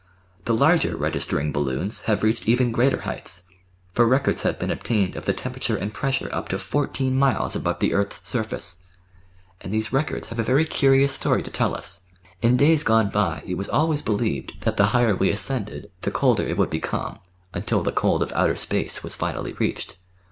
The larger registering balloons have reached even greater heights, for records have been obtained of the temperature and pressure up to fourteen miles above the earth's surface! And these records have a very curious story to tell us. In days gone by it was always believed that the higher we ascended the colder it would become until the cold of outer space was finally reached.